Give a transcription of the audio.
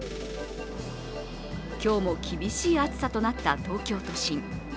今日も厳しい暑さとなった東京都心。